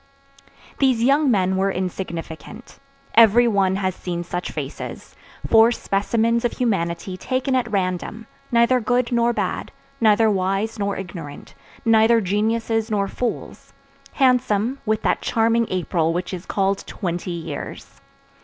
These young men were insignificant; every one has seen such faces; four specimens of humanity taken at random; neither good nor bad, neither wise nor ignorant, neither geniuses nor fools; handsome, with that charming April which is called twenty years.